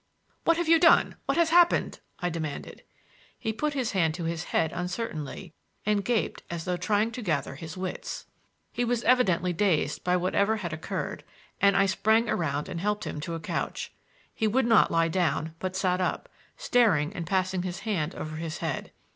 "What have you done; what has happened?" I demanded. He put his hand to his head uncertainly and gaped as though trying to gather his wits. He was evidently dazed by whatever had occurred, and I sprang around and helped him to a couch. He would not lie down but sat up, staring and passing his hand over his head.